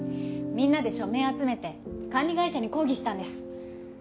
みんなで署名集めて管理会社に抗議したんです。